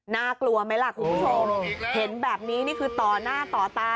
น่ากลัวไหมล่ะคุณผู้ชมเห็นแบบนี้นี่คือต่อหน้าต่อตา